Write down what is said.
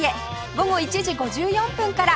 午後１時５４分から